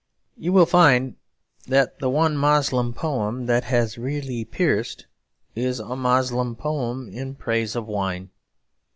You will find the one Moslem poem that has really pierced is a Moslem poem in praise of wine.